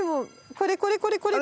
これこれこれこれ！